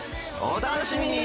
お楽しみに！